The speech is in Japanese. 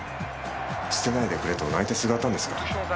捨てないでくれと泣いてすがったんですか？